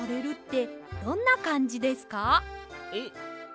えっ？